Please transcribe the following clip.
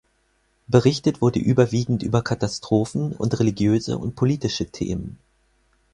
Berichtet wurde überwiegend über Katastrophen und religiöse und politische Themen.